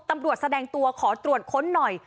ตำรวจแสดงตัวขอตรวจค้นหน่อย